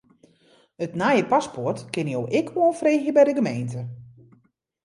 It nije paspoart kinne jo ek oanfreegje by de gemeente.